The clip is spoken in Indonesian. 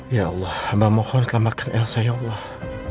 ya allah abang mohon selamatkan elsa ya allah